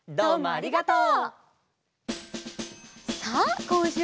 ありがとう。